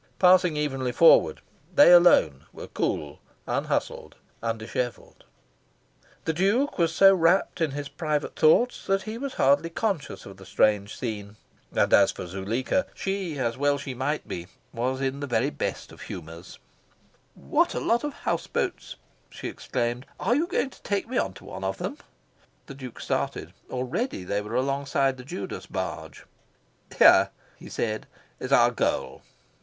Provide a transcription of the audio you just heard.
Passing evenly forward, they alone were cool, unhustled, undishevelled. The Duke was so rapt in his private thoughts that he was hardly conscious of the strange scene. And as for Zuleika, she, as well she might be, was in the very best of good humours. "What a lot of house boats!" she exclaimed. "Are you going to take me on to one of them?" The Duke started. Already they were alongside the Judas barge. "Here," he said, "is our goal."